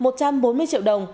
một trăm bốn mươi triệu đồng